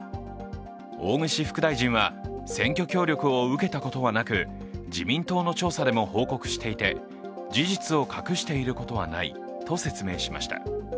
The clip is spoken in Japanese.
大串副大臣は選挙協力を受けたことはなく、自民党の調査でも報告していて、事実を隠していることはないと説明しました。